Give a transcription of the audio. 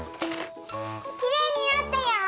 きれいになったよ！